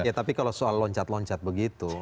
ya tapi kalau soal loncat loncat begitu